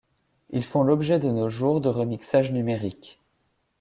Ils font l'objet de nos jours de remixages numériques.